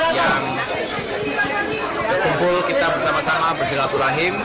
yang berkumpul bersama sama bersilaku rahim